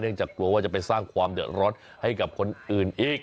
จากกลัวว่าจะไปสร้างความเดือดร้อนให้กับคนอื่นอีก